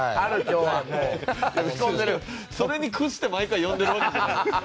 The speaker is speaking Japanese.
それに屈して毎回呼んでるわけじゃないよ。